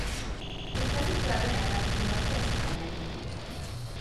Está situado en la parte norte de Santa Maria.